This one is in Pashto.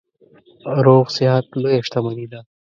روغ صحت لویه شتنمي ده.